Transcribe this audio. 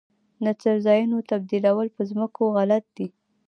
د څړځایونو تبدیلول په ځمکو غلط دي.